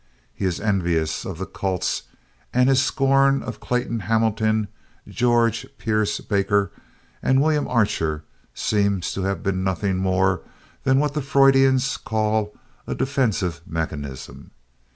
He is envious of the cults and his scorn of Clayton Hamilton, George Pierce Baker and William Archer seems to have been nothing more than what the Freudians call a defensive mechanism.